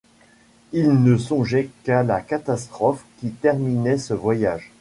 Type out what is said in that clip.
Ils ne songeaient qu’à la catastrophe qui terminait ce voyage.